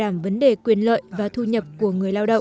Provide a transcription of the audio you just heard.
đảm vấn đề quyền lợi và thu nhập của người lao động